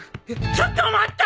ちょっと待った！